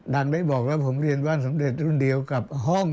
ดันไม่บอกแล้วผมเรียนว่าสำเร็จรุ่นเดียวกับห้อง